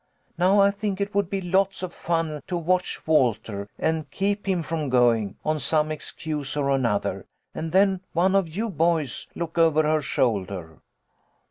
Now I think it would be lots of fun to watch Walter, and keep him from going, on some excuse or another, and then one of you boys look over her shoulder."